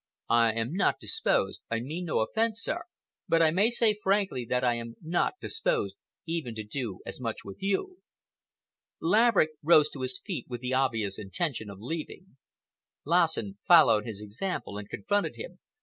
I am not disposed—I mean no offence, sir—but I may say frankly that I am not disposed even to do as much with you." Laverick rose to his feet with the obvious intention of leaving. Lassen followed his example and confronted him.